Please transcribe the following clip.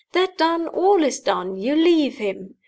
That done, all is done you leave him.